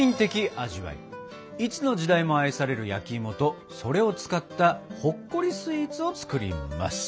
いつの時代も愛される焼きいもとそれを使ったほっこりスイーツを作ります！